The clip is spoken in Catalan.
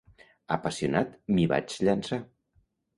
Apassionat, m'hi vaig llançar.